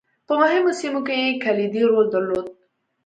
په مهمو سیمو کې یې کلیدي رول درلود.